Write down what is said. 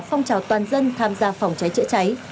phong trào toàn dân tham gia phòng cháy chữa cháy